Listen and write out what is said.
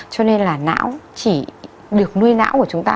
cho nên là não chỉ được nuôi não của chúng ta